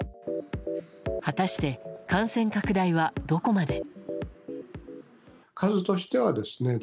果たして感染拡大はどこまで。